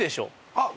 あっ！